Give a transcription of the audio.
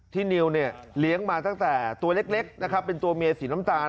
ที่นิ้วเลี้ยงมาตั้งแต่ตัวเล็กเป็นตัวเมียสีน้ำตาล